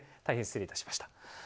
大変失礼致しました。